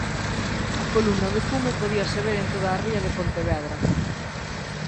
A columna de fume podíase ver en toda a ría de Pontevedra.